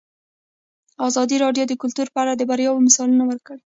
ازادي راډیو د کلتور په اړه د بریاوو مثالونه ورکړي.